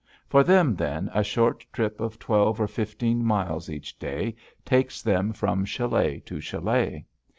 For them, then, a short trip of twelve or fifteen miles each day takes them from chalet to chalet.